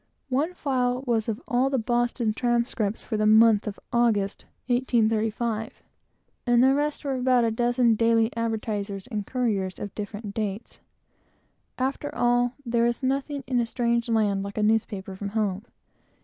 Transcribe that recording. One file was of all the Boston Transcripts for the month of August, 1835, and the rest were about a dozen Daily Advertisers and Couriers, of different dates. After all, there is nothing in a strange land like a newspaper from home.